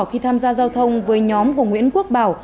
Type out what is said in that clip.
khi tham gia giao thông với nhóm của nguyễn quốc bảo